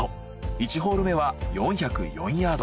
１ホール目は４０４ヤード。